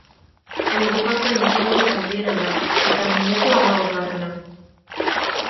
Europako aintzirarik handiena da, eta munduko hamabosgarrena.